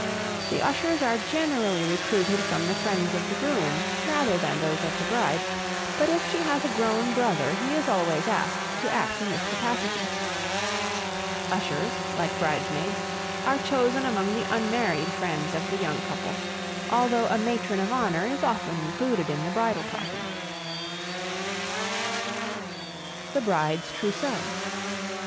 The ushers are generally recruited from the friends of the groom rather than those of the bride, but if she has a grown brother he is always asked to act in this capacity. Ushers, like bridesmaids, are chosen among the unmarried friends of the young couple, although a matron of honor is often included in the bridal party. The Bride's Trousseau.